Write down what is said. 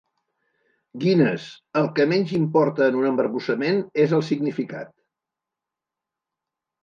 Guinness, el que menys importa en un embarbussament és el significat.